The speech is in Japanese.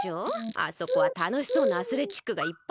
あそこはたのしそうなアスレチックがいっぱいあるから。